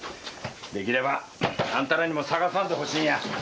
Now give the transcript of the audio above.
できればあんたらにも捜さんでほしいんや。